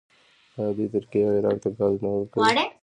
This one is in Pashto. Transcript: آیا دوی ترکیې او عراق ته ګاز نه ورکوي؟